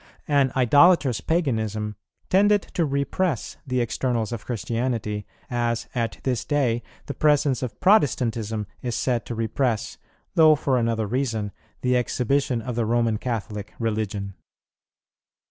An idolatrous Paganism tended to repress the externals of Christianity, as, at this day, the presence of Protestantism is said to repress, though for another reason, the exhibition of the Roman Catholic religion.